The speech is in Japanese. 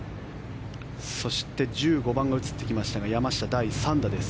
そして１５番が映ってきましたが山下、第３打です。